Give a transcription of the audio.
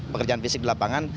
pekerjaan fisik di lapangan